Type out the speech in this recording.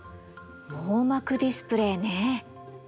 網膜ディスプレイね。